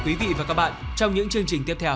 quý vị và các bạn trong những chương trình tiếp theo